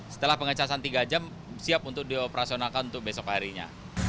setelah pengecasan tiga jam siap untuk dioperasionalkan untuk besok harinya